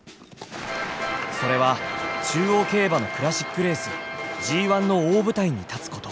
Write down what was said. それは中央競馬のクラシックレースＧⅠの大舞台に立つこと。